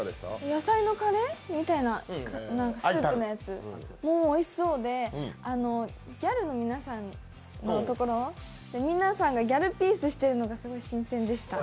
野菜のカレーみたいなスープのやつ、おいしそうで、ギャルの皆さんのところ、皆さんがギャルピースしてるのがすごい新鮮でした。